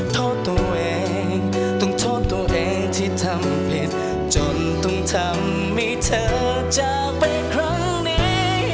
โทษตัวเองต้องโทษตัวเองที่ทำผิดจนต้องทำให้เธอจากไปครั้งนี้